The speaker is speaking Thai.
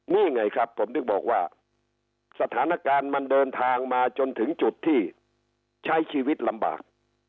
นี่ไงครับผมถึงบอกว่าสถานการณ์มันเดินทางมาจนถึงจุดที่ใช้ชีวิตลำบาก